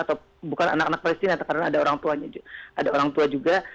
atau bukan anak anak palestina karena ada orang tua juga